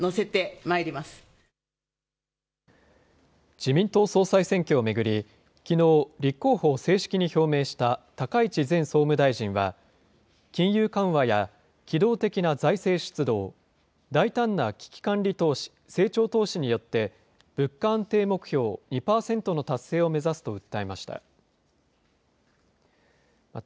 自民党総裁選挙を巡り、きのう、立候補を正式に表明した高市前総務大臣は、金融緩和や機動的な財政出動、大胆な危機管理投資・成長投資によって、物価安定目標２％の達成を目指すと訴えました。